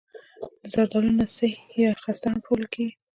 د زردالو نڅي یا خسته هم پلورل کیږي.